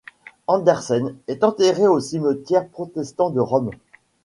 Andersen est enterré au Cimetière protestant de Rome.